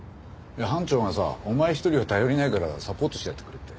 いや班長がさお前一人は頼りないからサポートしてやってくれって。